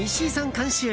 監修